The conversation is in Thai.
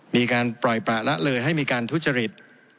มีการปล่อยประละเลยให้มีการทุจริต